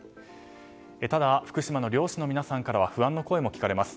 ただ、福島の漁師の皆さんからは不安の声も聞かれます。